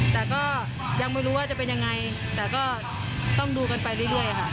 แต่ก็ยังไม่รู้ว่าจะเป็นยังไงแต่ก็ต้องดูกันไปเรื่อยค่ะ